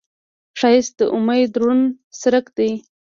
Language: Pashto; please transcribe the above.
ښایست د امید روڼ څرک دی